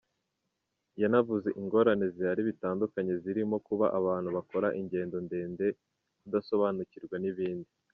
Yanavuze ingorane zihari bitandukanye zirimo kuba abantu bakora ingendo ndende, kudasobanukirwa, n’ibindi.